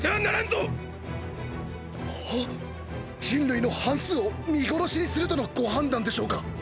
人類の半数を見殺しにするとのご判断でしょうか